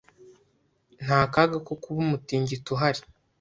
Nta kaga ko kuba umutingito uhari